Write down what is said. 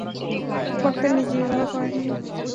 বক্তা নিজে বিবাহ করেন নাই।